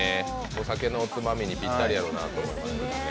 お酒のおつまみにぴったりやろなと思いますね。